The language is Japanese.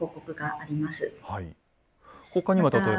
はい。